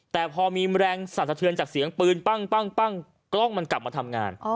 แต่พอมีแรงสั่นสะเทือนจากเสียงปืนปั้งกล้องมันกลับมาทำงาน